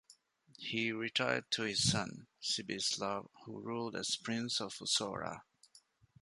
He retired to his son, Sibislav, who ruled as Prince of Usora.